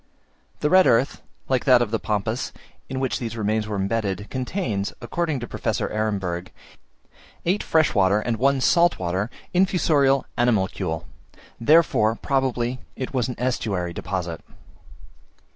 The red earth, like that of the Pampas, in which these remains were embedded, contains, according to Professor Ehrenberg, eight fresh water and one salt water infusorial animalcule; therefore, probably, it was an estuary deposit.